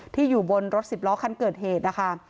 อยู่บนรถสิบล้อคันเกิดเหตุนะคะ